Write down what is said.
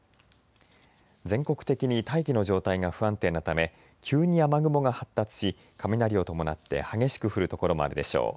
全国的に大気の状態が不安定なため急に雨雲が発達し雷を伴って激しく降る所もあるでしょう。